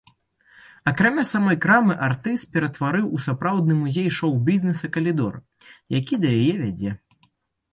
Акрамя самой крамы артыст ператварыў у сапраўдны музей шоў-бізнэса калідор, які да яе вядзе.